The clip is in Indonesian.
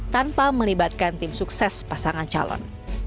tanpa melibatkan tim sukses pasangan calon